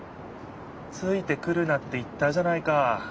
「ついてくるな」って言ったじゃないか。